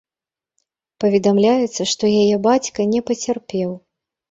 Паведамляецца, што яе бацька не пацярпеў.